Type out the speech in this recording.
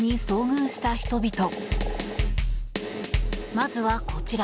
まずはこちら。